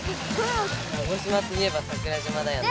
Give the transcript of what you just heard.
鹿児島といえば桜島だよね。